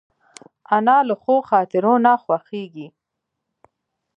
انا له ښو خاطرو نه خوښېږي